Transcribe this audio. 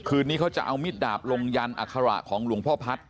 คืนนี้เขาจะเอามิดดาบลงยันอัคระของหลวงพ่อพัฒน์